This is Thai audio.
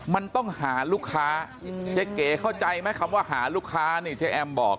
มันต้องหาลูกค้าเจ๊เก๋เข้าใจไหมคำว่าหาลูกค้านี่เจ๊แอมบอก